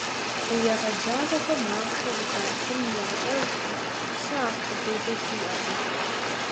Уи егъэджакӀуэхэм ахъшэр зыдахьын ящӀэжкъым, сэ ахъшэ делэ сиӀэкъым.